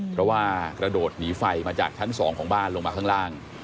เพราะว่ากระโดดหนีไฟมาจากชั้น๒ของบ้านลงมาข้างล่าง